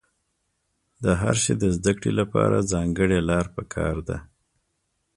د هر شي د زده کړې له پاره ځانګړې لاره په کار ده.